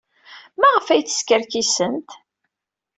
Maɣef ay teskerkisemt?